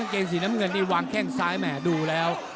๑๒เกณฑ์สีน้ำเงินนี้วางแค่งซ้ายแหมดูแล้ว